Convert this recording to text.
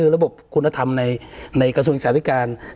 ระบบคุณธรรมในกระทรวงศึกษาธิการ